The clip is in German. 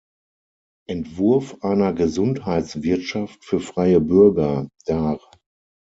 Entwurf einer Gesundheitswirtschaft für freie Bürger" dar.